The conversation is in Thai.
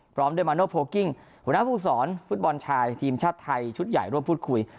พร้อมด้วยมาโนโพลกิ้งหัวหน้าภูมิสอนฟุตบอลชายทีมชาติไทยชุดใหญ่ร่วมพูดคุย